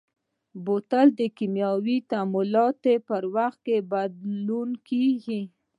بوتل د کیمیاوي تعاملاتو پر وخت بدلول کېږي.